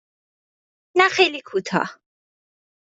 نه خیلی کوتاه.